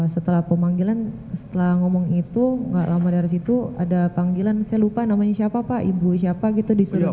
setelah pemanggilan setelah ngomong itu gak lama dari situ ada panggilan saya lupa namanya siapa pak ibu siapa gitu disuruh